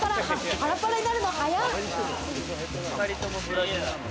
パラパラになるの早！